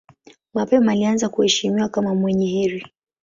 Mapema alianza kuheshimiwa kama mwenye heri.